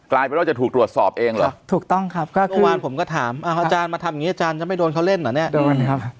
ว่าจะถูกตรวจสอบเองเหรอถูกต้องครับก็เมื่อวานผมก็ถามอาจารย์มาทำอย่างนี้อาจารย์จะไม่โดนเขาเล่นเหรอเนี่ยโดนครับ